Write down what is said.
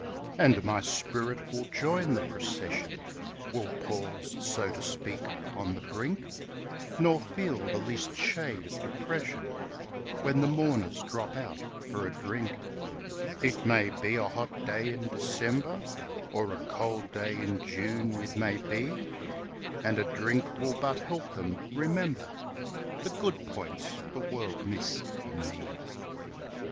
And my spirit will join the procession Will pause, so to speak, on the brink Nor feel the least shade of depression When the mourners drop out for a drink ; It may be a hot day in December, Or a cold day in June it may be, And a drink will but help them remember The good points the world missed in me.